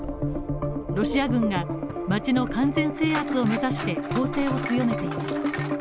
ロシア軍が街の完全制圧を目指して攻勢を強めています。